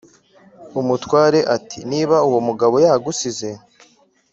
umutware ati"niba uwomugabo yagusize